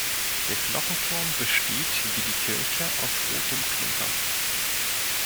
Der Glockenturm besteht, wie die Kirche aus rotem Klinker.